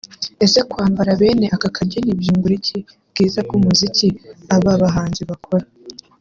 Ese kwambara bene aka kageni byungura iki bwiza bw’umuziki aba bahanzi bakora